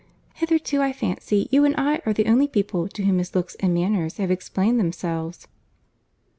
Hitherto I fancy you and I are the only people to whom his looks and manners have explained themselves."